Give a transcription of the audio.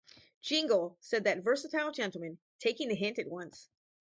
‘Jingle,’ said that versatile gentleman, taking the hint at once.